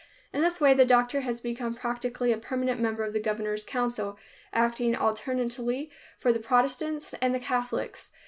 In this way the doctor has become practically a permanent member of the governor's council, acting alternately for the Protestants and the Catholics.